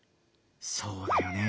そうだよね。